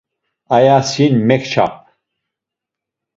Aya sin mekçap.